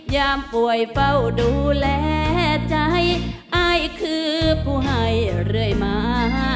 ยามป่วยเฝ้าดูแลใจอายคือผู้ให้เรื่อยมา